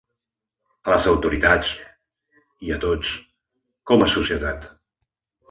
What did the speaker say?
A les autoritats… i a tots, com a societat.